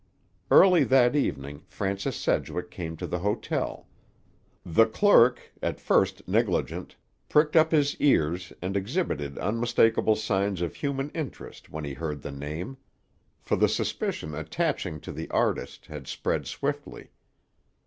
Early that evening Francis Sedgwick came to the hotel. The clerk, at first negligent, pricked up his ears and exhibited unmistakable signs of human interest when he heard the name; for the suspicion attaching to the artist had spread swiftly.